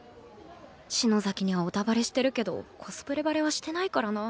篠崎にはオタバレしてるけどコスプレバレはしてないからな